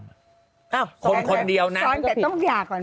เอ้าซ้อนแต่ต้องหย่าก่อนมั้ยซ้อนแต่ต้องหย่าก่อนมั้ยซ้อนแต่ต้องหย่าก่อนมั้ย